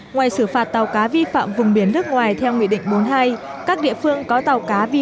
ngoài xử phạt tàu cá vi phạm vùng biển nước ngoài theo nghị định bốn mươi hai các địa phương có tàu cá vi